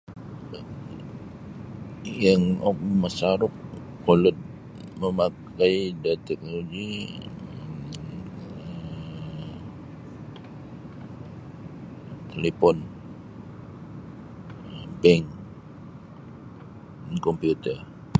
Yang oku masaruk kolod mamakai da teknoloji um talipon um bank dan komputer.